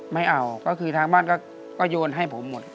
ไม่เอาก็คือทางบ้านก็โยนให้ผมหมด